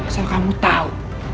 soal kamu tau